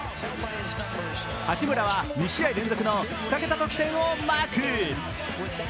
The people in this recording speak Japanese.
八村は２試合連続の２桁得点をマーク。